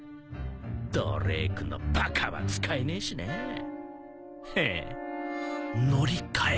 ドレークのバカは使えねえしなぁヘッ乗り換えるか！